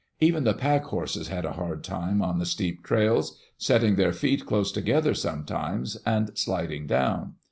Even the pack horses had a hard time on the steep trails, setting their feet close together sometimes and sliding down.